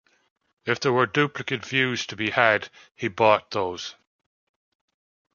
If there were duplicate views to be had, he bought those.